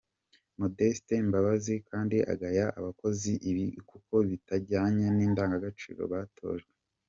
Modeste Mbabazi kandi agaya abakoze ibi, kuko bitajyanye n’indangagaciro batojwe.